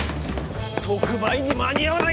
特売に間に合わない！